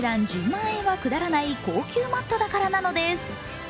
１０万円はくだらない、高級マットだからなのです。